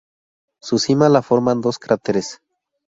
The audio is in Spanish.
Su cima la forman dos cráteres.